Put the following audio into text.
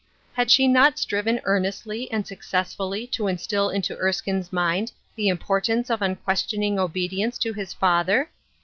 Had she not striven earnestly and successfully to instill into Erskine's mind the importance of unquestioning obedience to his father